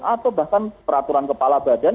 atau bahkan peraturan kepala badan